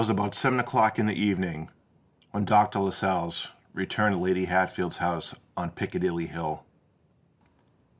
It was about seven o'clock in the evening when Dr. Lascelles returned to Lady Hatfield's house on Piccadilly Hill.